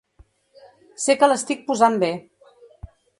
Sé que l'estic posant bé.